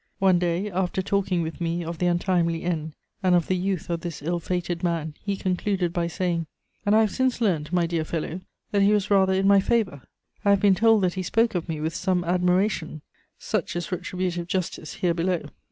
One day, after talking with me of the untimely end and of the youth of this ill fated man, he concluded by saying: "'And I have since learnt, my dear fellow, that he was rather in my favour; I have been told that he spoke of me with some admiration; such is retributive justice here below!'